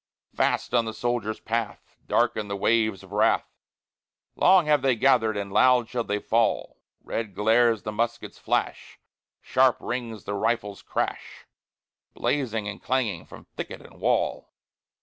Fast on the soldier's path Darken the waves of wrath, Long have they gathered and loud shall they fall; Red glares the musket's flash, Sharp rings the rifle's crash, Blazing and clanging from thicket and wall.